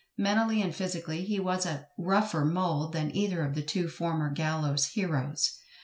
Mentally and physically he was of rougher mould than either of the two former gallows heroes.